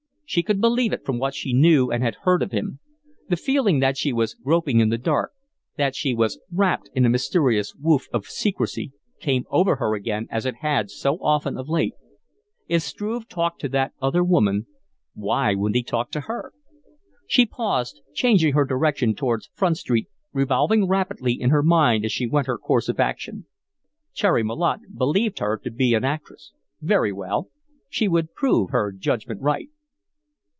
She could believe it from what she knew and had heard of him. The feeling that she was groping in the dark, that she was wrapped in a mysterious woof of secrecy, came over her again as it had so often of late. If Struve talked to that other woman, why wouldn't he talk to her? She paused, changing her direction towards Front Street, revolving rapidly in her mind as she went her course of action. Cherry Malotte believed her to be an actress. Very well she would prove her judgment right.